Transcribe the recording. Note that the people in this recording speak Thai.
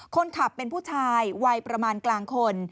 คนขับเป็นผู้ชายวัยประมาณกลางคน